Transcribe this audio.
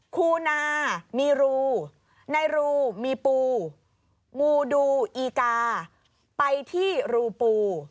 คูนามีรูในรูมีปูงูดูอีกาไปที่รูปู